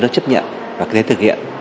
nước chấp nhận và thực hiện